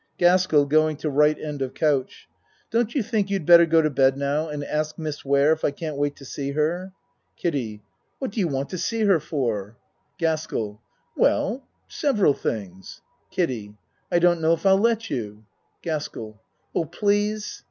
GASKELL (Going to R. end of couch.) Don't you think you had better go to bed now and ask Miss Ware, if I can't wait to see her? KIDDIE What do you want to see her for? ACT III 97 GASKELL Well, several things. KIDDIE I don't know if I'll let you. GASKELL Oh, please.